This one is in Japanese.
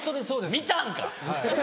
見たんか。